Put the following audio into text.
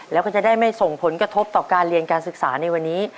แล้วก็จะได้ไม่ส่งผลกระทบต่อการเรียนการศึกษาในวันนี้